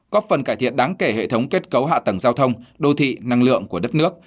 có phần cải thiện đáng kể hệ thống kết cấu hạ tầng giao thông đô thị năng lượng của đất nước